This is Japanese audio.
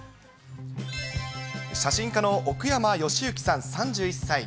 写真家の奥山由之さん３１歳。